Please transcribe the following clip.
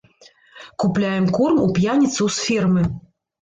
Купляем корм у п'яніцаў з фермы.